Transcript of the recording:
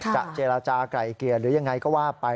จะเจราจาไก่เกลียดหรือยังไงก็ว่าไป